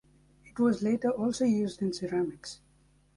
It was later also used in ceramics.